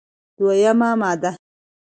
دوه یمه ماده: